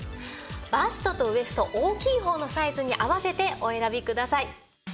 バストとウエスト大きい方のサイズに合わせてお選びください。